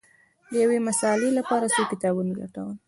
د یوې مسألې لپاره څو کتابونه لټول